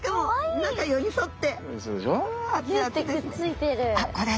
２人寄り添って。